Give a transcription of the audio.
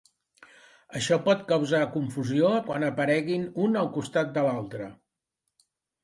Això pot causar confusió quan apareguin un al costat de l'altre.